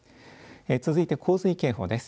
続いて洪水警報です。